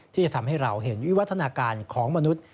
ที่จะทำให้เราเห็นวิวัฒนาการของมนุษย์